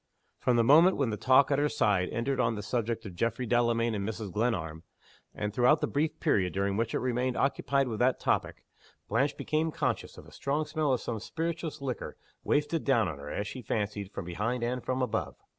From the moment when the talk at her side entered on the subject of Geoffrey Delamayn and Mrs. Glenarm and throughout the brief period during which it remained occupied with that topic Blanche became conscious of a strong smell of some spirituous liquor wafted down on her, as she fancied, from behind and from above.